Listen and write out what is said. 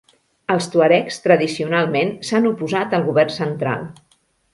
Els tuaregs tradicionalment s'han oposat al govern central.